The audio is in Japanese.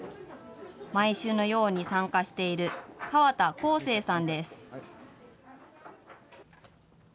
毎週のように参加している河田康誠さんです。